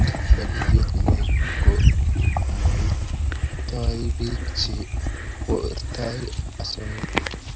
leluyiet ngwai ko mwaitoi piik che porie asoya